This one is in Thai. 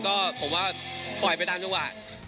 ก็ผมว่าปล่อยไปตามจังหวะ